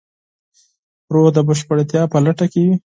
روح د بشپړتیا په لټه کې وي.